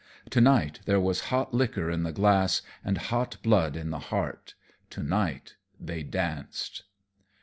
To night there was hot liquor in the glass and hot blood in the heart; to night they danced.